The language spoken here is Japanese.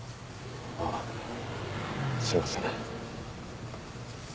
あっすいません。